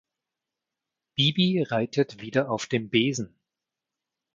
Bibi reitet wieder auf dem Besen.